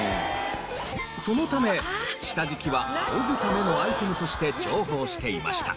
そのため下敷きはあおぐためのアイテムとして重宝していました。